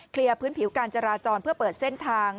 พื้นผิวการจราจรเพื่อเปิดเส้นทาง